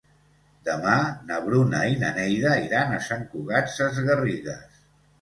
Demà na Bruna i na Neida iran a Sant Cugat Sesgarrigues.